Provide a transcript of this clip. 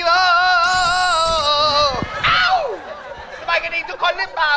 อ๋อเอาอุบจระพาตู้โทรศัพท์